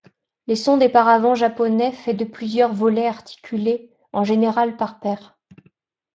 Les sont des paravents japonais faits de plusieurs volets articulés, en général par paire.